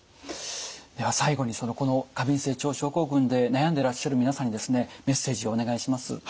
では最後にこの過敏性腸症候群で悩んでらっしゃる皆さんにですねメッセージをお願いします。